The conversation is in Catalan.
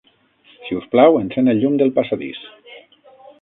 Si us plau, encén el llum del passadís.